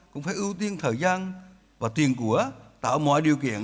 cũng phải ưu tiên thời gian và tiền của tạo mọi điều kiện